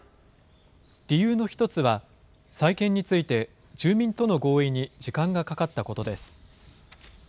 理由の１つは、再建について、住民との合意に時間がかかったことです。